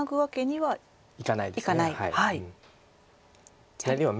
はい。